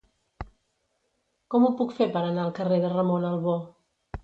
Com ho puc fer per anar al carrer de Ramon Albó?